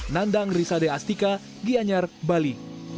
nandang risade astika gianyar bali